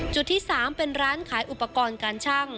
ที่๓เป็นร้านขายอุปกรณ์การชั่ง